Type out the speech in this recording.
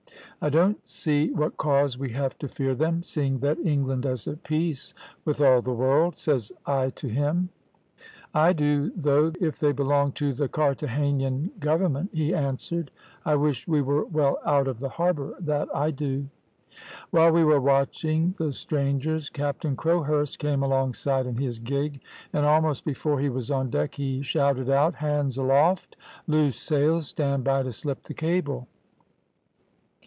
"`I don't see what cause we have to fear them, seeing that England is at peace with all the world,' says I to him. "`I do though, if they belong to the Carthagenan government,' he answered. `I wish we were well out of the harbour, that I do.' "While we were watching the strangers, Captain Crowhurst came alongside in his gig, and almost before he was on deck he shouted out, `Hands aloft! Loose sails! Stand by to slip the cable!'